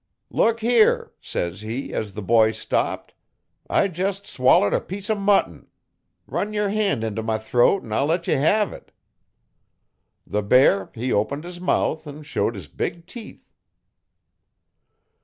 '"Look here," says he, as the boy stopped, "I jes' swallered a piece o mutton. Run yer hand int' my throat an I'll let ye hev it." 'The bear he opened his mouth an' showed his big teeth.'